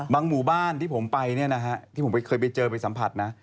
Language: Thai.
บางหมู่บ้านที่ผมไปที่ผมเคยไปเจอไปสัมผัสนะ